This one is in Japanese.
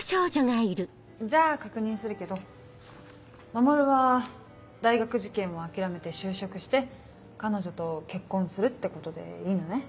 じゃあ確認するけど守は大学受験を諦めて就職して彼女と結婚するってことでいいのね？